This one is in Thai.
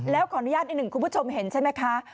แล้วขออนุญาตนิดหนึ่งคุณผู้ชมเห็นใช่ไหมคะ